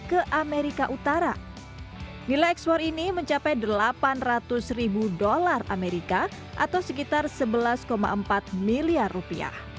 ke amerika utara nilai ekspor ini mencapai delapan ratus ribu dolar amerika atau sekitar sebelas empat miliar rupiah